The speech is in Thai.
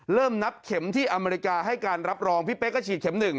เริ่มนับเข็มที่อเมริกาให้การรับรองพี่เป๊กก็ฉีดเข็ม๑